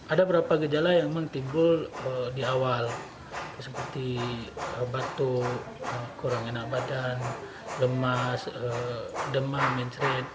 ada beberapa gejala yang memang timbul di awal seperti batuk kurang enak badan lemas demam mencerit